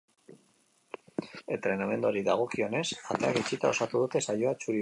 Entrenamenduari dagokionez, ateak itxita osatu dute saioa txuri-urdinek.